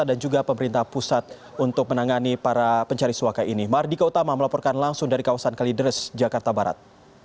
ada juga seorang istri dari seorang pencari suaka yang menyeberang jalan